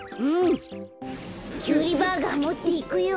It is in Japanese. キュウリバーガーもっていくよ。